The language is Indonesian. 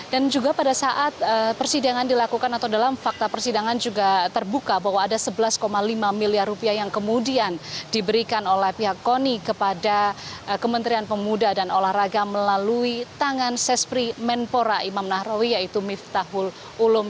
dan juga pada saat persidangan dilakukan atau dalam fakta persidangan juga terbuka bahwa ada sebelas lima miliar rupiah yang kemudian diberikan oleh pihak koni kepada kementerian pemuda dan olahraga melalui tangan sespri menpora imam nahrawi yaitu miftahul ulum